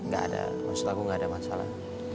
gak ada maksud aku nggak ada masalah